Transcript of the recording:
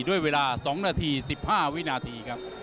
ด้วยเวลา๒นาที๑๕วินาทีครับ